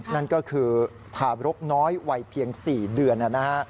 นั่นก็คือทารกน้อยวัยเพียง๔เดือนนะฮะ